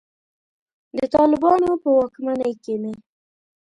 د طالبانو په واکمنۍ کې مې.